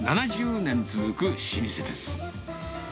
７０年続く老舗です。